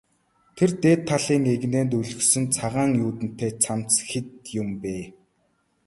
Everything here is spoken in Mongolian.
Тэр дээд талын эгнээнд өлгөсөн цагаан юүдэнтэй цамц хэд юм бэ?